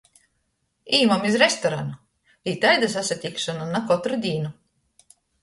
Īmam iz restoranu — itaida sasatikšona na kotru dīn!